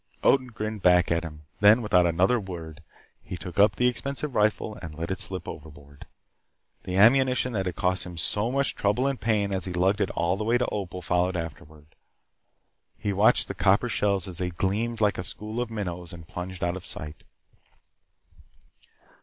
Odin grinned back at him. Then, without another word, he took up the expensive rifle and let it slip overboard. The ammunition that cost him so much trouble and pain as he lugged it all the way to Opal followed after. He watched the copper shells as they gleamed like a school of minnows and plunged out of sight.